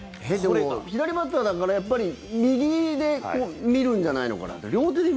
左バッターだからやっぱり右で見るんじゃないのかなと。